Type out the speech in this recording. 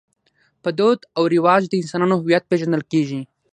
په دود او رواج د انسانانو هویت پېژندل کېږي.